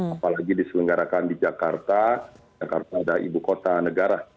apalagi diselenggarakan di jakarta jakarta ada ibu kota negara